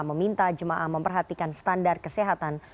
meminta jemaah memperhatikan standar kesehatan